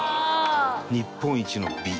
日本一の「美」。